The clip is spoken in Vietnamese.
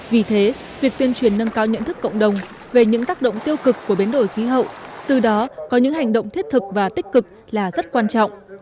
vì thế việc tuyên truyền nâng cao nhận thức cộng đồng về những tác động tiêu cực của biến đổi khí hậu từ đó có những hành động thiết thực và tích cực là rất quan trọng